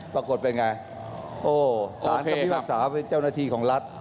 ปรากฏเป็นไงโอ้สารก็พิพากษาเป็นเจ้าหน้าที่ของรัฐ